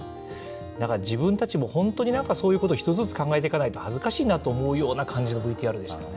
なんか自分たちも本当になんかそういうことを、１つずつ考えていかないと、恥ずかしいなと思うような感じのＶＴＲでしたね。